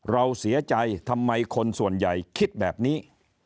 เราเสียใจทำไมคนส่วนใหญ่คิดแบบนี้